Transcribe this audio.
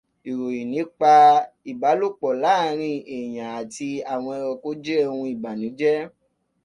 Ìròyìn nípa ìbálòpọ̀ láàárín èèyàn àti àwọn ẹranko jẹ́ ohun ìbànújẹ.